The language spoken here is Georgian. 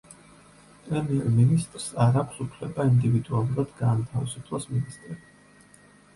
პრემიერ-მინისტრს არ აქვს უფლება ინდივიდუალურად გაანთავისუფლოს მინისტრები.